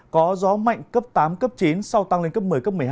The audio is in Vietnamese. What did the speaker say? có gió mạnh cấp tám chín sau tăng lên cấp một mươi một mươi hai